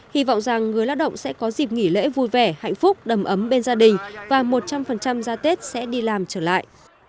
hy vọng rằng người lao động sẽ có dịp nghỉ lễ vui vẻ hạnh phúc đầm ấm bên gia đình và một trăm linh ra tết sẽ đi làm trở lại